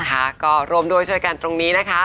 นะคะก็ร่วมด้วยช่วยกันตรงนี้นะคะ